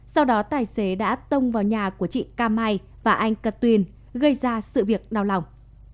sau đó tài xế đã tông vào nhà của chị cam mai và anh cát tuyên gây ra sự việc đau lòng